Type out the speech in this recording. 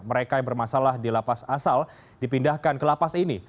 mereka yang bermasalah di lapas asal dipindahkan ke lapas ini